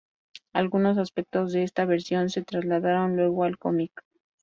Algunos aspectos de esta versión se trasladaron luego al cómic.